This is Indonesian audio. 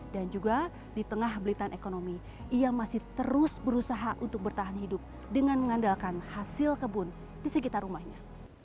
dan juga di tengah belitan ekonomi ia masih terus berusaha untuk bertahan hidup dengan mengandalkan hasil kebun di sekitar rumahnya